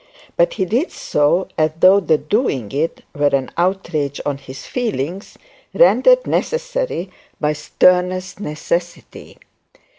But he did so as though the doing it were an outrage on his feelings rendered necessary by sternest necessity.